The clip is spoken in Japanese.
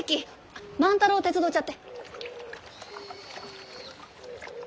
あっ万太郎を手伝うちゃって。